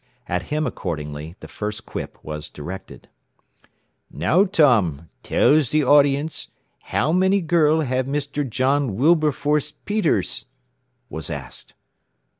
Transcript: At him accordingly the first quip was directed. "Now Tom, tell ze audience, how many girl have Mr. John Wilberforce Peters?" was asked.